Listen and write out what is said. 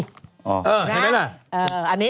ให้เว้นน่ะ